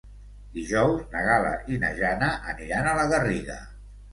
Dijous na Gal·la i na Jana aniran a la Garriga.